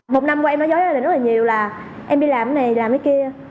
một năm qua em đã dối với gia đình rất là nhiều là em đi làm cái này làm cái kia